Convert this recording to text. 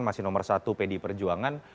masih nomor satu pdi perjuangan